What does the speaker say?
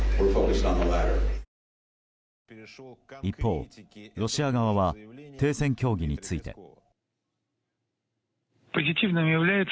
一方、ロシア側は停戦協議について。